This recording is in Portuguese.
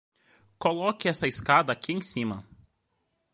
Coloque essa escada aqui em cima.